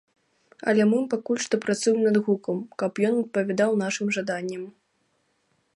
Але мы пакуль што працуем над гукам, каб ён адпавядаў нашым жаданням.